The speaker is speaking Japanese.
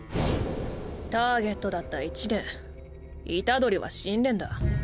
ターゲットだった一年虎杖は死んでんだ。